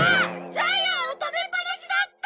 ジャイアンを止めっぱなしだった！